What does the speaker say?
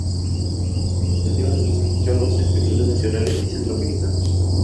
La Revista dio el espacio a los escritores nacionales y centroamericanos.